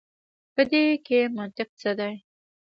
په دې کښي منطق څه دی.